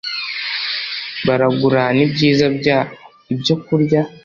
baragurana ibyiza byabo ibyo kurya